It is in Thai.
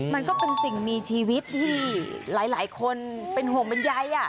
มันก็เป็นสิ่งมีชีวิตที่หลายคนเป็นห่วงเป็นใย